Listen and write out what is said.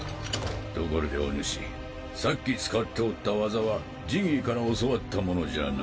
ところでお主さっき使っておった技はジギーから教わったものじゃな？